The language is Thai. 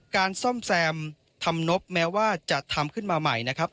การซ่อมแซมทำนบแม้ว่าจะทำขึ้นมาใหม่นะครับ